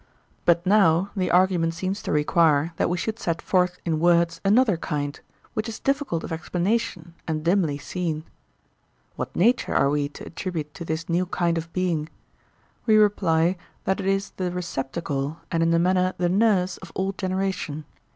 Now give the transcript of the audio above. But now the argument seems to require that we should set forth in words another kind, which is difficult of explanation and dimly seen. What nature are we to attribute to this new kind of being? We reply, that it is the receptacle, and in a manner the nurse, of all generation.